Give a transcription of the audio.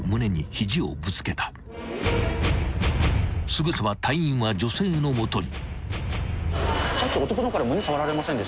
［すぐさま隊員は女性の元に］